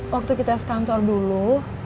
waktu kita sekantor dulu